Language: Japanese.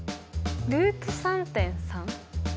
ルート３．３？